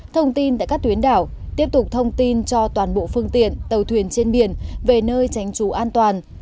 thông tin tại các tuyến đảo tiếp tục thông tin cho toàn bộ phương tiện tàu thuyền trên biển về nơi tránh trú an toàn